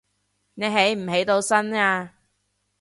你起唔起到身呀